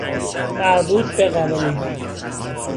مربوط بقابلگی